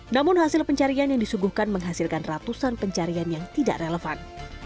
namun hasil pencarian yang disuguhkan menghasilkan ratusan pencarian yang tidak relevan